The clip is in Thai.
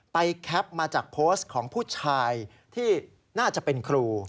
แคปมาจากโพสต์ของผู้ชายที่น่าจะเป็นครู